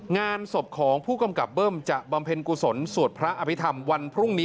งานศพของผู้กำกับเบิ้มจะบำเพ็ญกุศลสวดพระอภิษฐรรมวันพรุ่งนี้